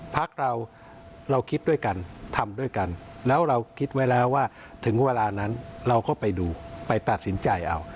พักเราเราคิดด้วยกันทำด้วยกันแล้วเราคิดไว้แล้วว่าถึงเวลานั้นเราก็ไปดูไปตัดสินใจเอา